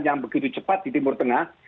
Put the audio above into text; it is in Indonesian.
yang begitu cepat di timur tengah